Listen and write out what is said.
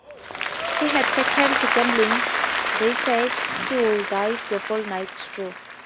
He had taken to gambling, they said; he would "dice the whole night through".